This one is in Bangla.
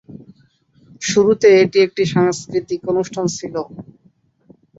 শুরুতে এটি একটি সাংস্কৃতিক সংগঠন ছিল।